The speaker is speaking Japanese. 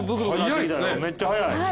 めっちゃ早い。